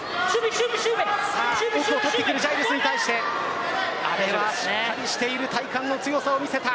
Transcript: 奥を取ってくるジャイルスに対して阿部はしっかりしている体幹の強さを見せた。